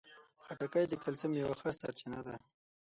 خټکی د کلسیم یوه ښه سرچینه ده.